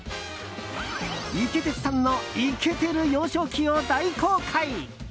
イケテツさんのイケてる幼少期を大公開！